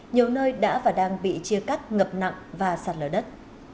nhiều nơi đã và đang bị chia cắt ngập nặng và sạt lở đất